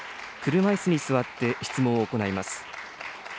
車いすに座って質問を行います。